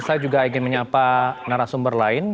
saya juga ingin menyapa narasumber lain